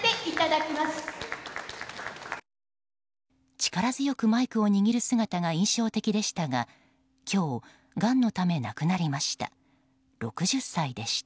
力強くマイクを握る姿が印象的でしたが今日、がんのため亡くなりました。